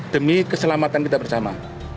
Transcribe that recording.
demi keselamatan kita bersama